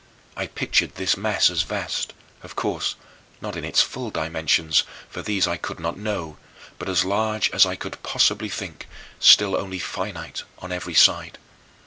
I pictured this mass as vast of course not in its full dimensions, for these I could not know but as large as I could possibly think, still only finite on every side.